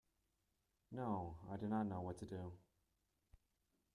No, I did not know what to do.